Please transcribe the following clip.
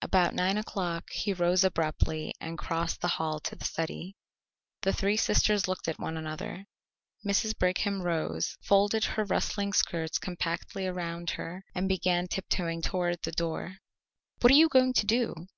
About nine o'clock he rose abruptly and crossed the hall to the study. The three sisters looked at one another. Mrs. Brigham rose, folded her rustling skirts compactly around her, and began tiptoeing toward the door. "What are you going to do?"